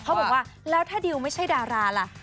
เขาบอกว่าแล้วถ้าดิวไม่ใช่ดาราล่ะ